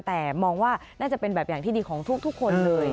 แต่มองว่าน่าจะเป็นแบบอย่างที่ดีของทุกคนเลย